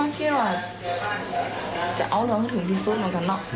นอกเที่ยวจะเอาเหลืองถึงที่สุดเหมือนกัน